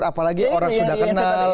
apalagi orang sudah kenal